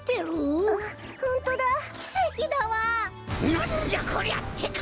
なんじゃこりゃってか！